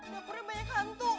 dapurnya banyak hantu